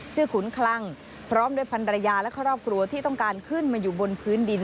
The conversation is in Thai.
ขุนคลั่งพร้อมด้วยพันรยาและครอบครัวที่ต้องการขึ้นมาอยู่บนพื้นดิน